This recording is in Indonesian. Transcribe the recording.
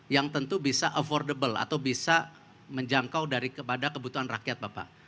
yang tentu bisa affordable atau bisa menjangkau daripada kebutuhan rakyat bapak